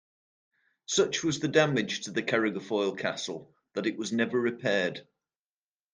Such was the damage to Carrigafoyle Castle that it was never repaired.